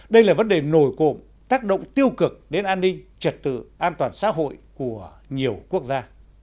đây là vấn đề nổi cộng tác động tiêu cực đến an ninh trật tự an toàn xã hội của nhiều quốc gia